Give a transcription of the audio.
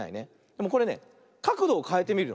でもこれねかくどをかえてみるの。